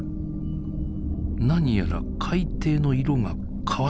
何やら海底の色が変わってきました。